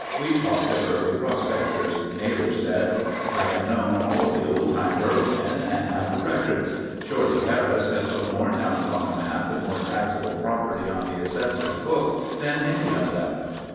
We talked of early prospectors. Naylor said: 'I have known all of the old time burro men and have the records. Shorty Harris has put more towns on the map and more taxable property on the assessors' books than any of them.